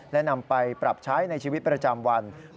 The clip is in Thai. และนำไปปรับใช้ในชีวิตประจำวันด้วยนะครับ